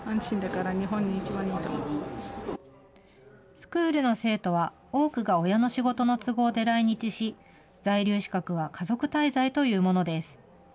スクールの生徒は多くが親の仕事の都合で来日し、在留資格は家族滞在というものです。